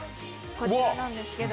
こちらなんですけど。